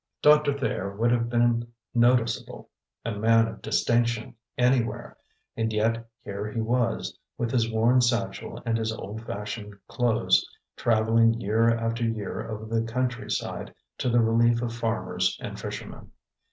Doctor Thayer would have been noticeable, a man of distinction, anywhere; and yet here he was, with his worn satchel and his old fashioned clothes, traveling year after year over the country side to the relief of farmers and fishermen.